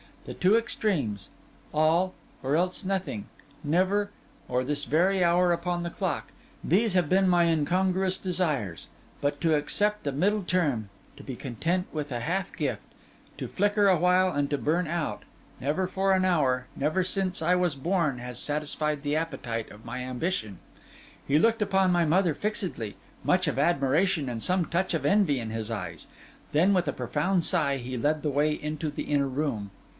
The two extremes: all, or else nothing; never, or this very hour upon the clock—these have been my incongruous desires. But to accept the middle term, to be content with a half gift, to flicker awhile and to burn out—never for an hour, never since I was born, has satisfied the appetite of my ambition.' He looked upon my mother fixedly, much of admiration and some touch of envy in his eyes; then, with a profound sigh, he led the way into the inner room.